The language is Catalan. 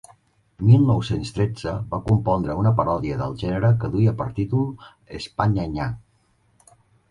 Mil nou-cents tretze va compondre una paròdia del gènere que duia per títol «Españaña».